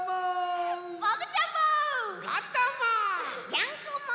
ジャンコも！